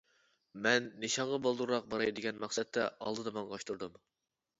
مەن نىشانغا بالدۇرراق باراي دېگەن مەقسەتتە ئالدىدا ماڭغاچ تۇردۇم.